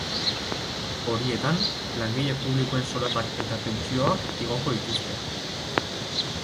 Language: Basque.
Horietan, langile publikoen soldatak eta pentsioak igoko dituzte.